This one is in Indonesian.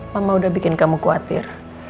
mama udah bikin kamu khawatir